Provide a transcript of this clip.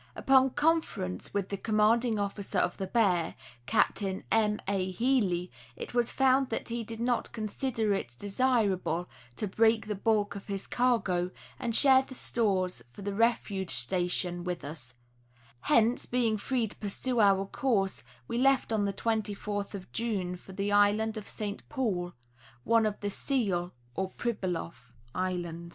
Upon conference with the commanding officer of the Bear, Captain M. A. Healy, it was found that he did not consider it desirable to break the bulk of his cargo and share the stores for the refuge station with us; hence, being free to pursue our course, we left on the 24th of June for the island of St. Paul, one of the Seal (or Pribyloff) islands.